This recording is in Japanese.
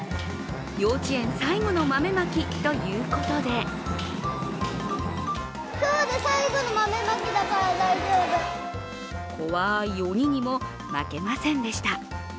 幼稚園最後の豆まきということで怖い鬼にも負けませんでした。